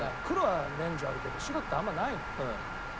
黒は年中あるけど白ってあんまりないのよ。